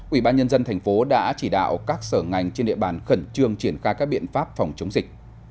ủy ban nhân dân thành phố đã chỉ đạo các sở ngành trên địa bàn khẩn trương triển khai các biện pháp phòng chống dịch